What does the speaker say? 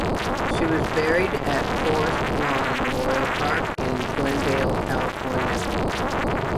She was buried at Forest Lawn Memorial Park in Glendale, California.